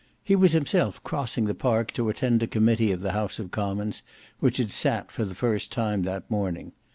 He was himself crossing the park to attend a committee of the House of Commons which had sat for the first time that morning.